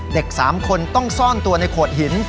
๓คนต้องซ่อนตัวในโขดหิน